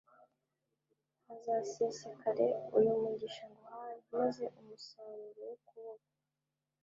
hazasesekare uyu mugisha nguhaye, maze umusaruro w’ukuboko